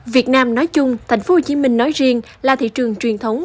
việt nam nói chung thành phố hồ chí minh nói riêng là thị trường truyền thống